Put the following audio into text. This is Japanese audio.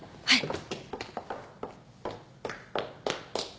はい。